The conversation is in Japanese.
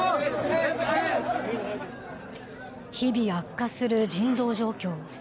日々悪化する人道状況。